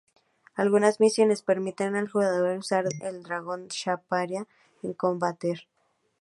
Algunas misiones permiten al jugador usar al dragón Saphira en combate.